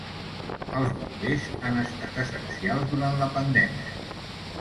Els bombers han estat essencials durant la pandèmia.